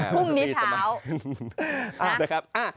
พรุ่งนี้เช้า